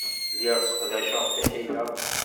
Lliɣ sseqdaceɣ tiḥila.